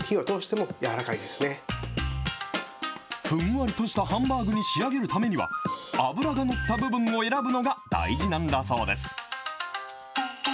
ふんわりとしたハンバーグに仕上げるためには、脂が乗った部分を選ぶのが大事なんだそうです。